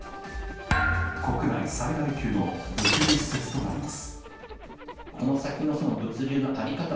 国内最大級の物流施設となります。